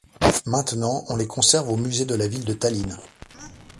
Maintenant on les conserve au musée de la ville de Tallinn.